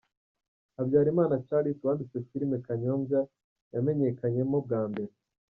Habyarimana Charles wanditse filime Kanyombya yamenyekanyemo bwa mbere.